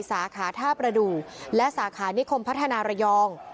สาขาท่าประดูกและสาขานิคมพัฒนาระยอง